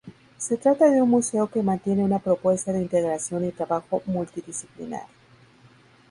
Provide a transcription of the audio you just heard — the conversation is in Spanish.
Se trata de un museo que mantiene una propuesta de integración y trabajo multidisciplinar.